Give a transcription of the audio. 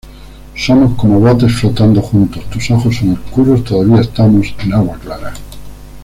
Somos como botes flotando juntos; tus ojos son oscuros, todavía estamos en agua clara.